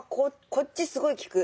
こっちすごい効く。